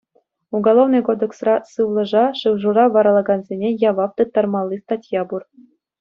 Уголовнӑй кодексра сывлӑша, шыв-шура варалакансене явап тыттармалли статья пур.